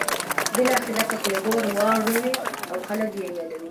بالاخره په پیغور واړوي او خلک یې یادوي.